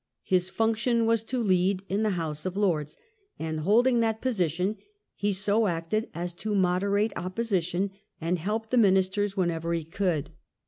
His function was to Jead in the House of Lords, and holding that position he so acted as to moderate opposition, and help the Minister whenever he could.